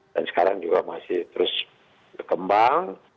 dan sekarang juga masih terus berkembang